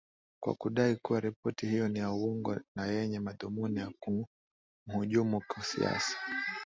kwa kudai kuwa ripoti hiyo ni ya uongo na yenye madhumuni ya kumhujumu kisiasa